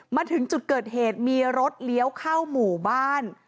มาถึงจุดเกิดเหตุมีรถเลี้ยวเข้าหมู่บ้าน